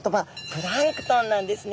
プランクトンなんですね。